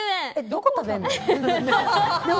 どこ食べんの？